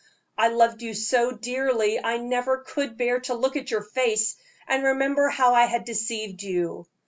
I loved you so dearly I never could bear to look at your face and remember how I had deceived you.